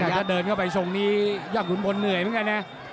ถ้าเดินเข้าไปช่วงนี้ยอดขุนพลเหนื่อยไหมไง